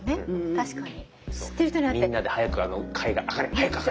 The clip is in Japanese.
確かに。